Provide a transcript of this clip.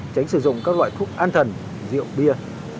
tránh sử dụng các loại thuốc an thần rượu bia